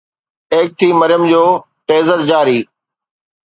ايڪ ٿِي مريم جو ٽيزر جاري